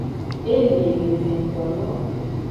Eli le evetolo.